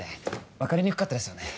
分かりにくかったですよね。